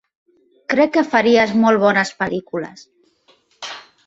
Crec que faries molt bones pel·lícules.